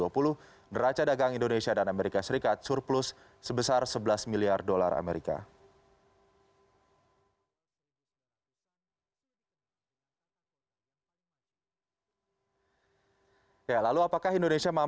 pertanyaan dari pertanyaan